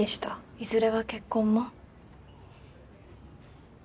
いずれは結婚も？